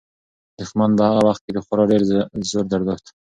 دښمن په هغه وخت کې خورا ډېر زور درلود.